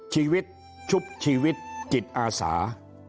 ชีวิตชุบชีวิตจิตอาสา